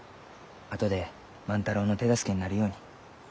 あとで万太郎の手助けになるように。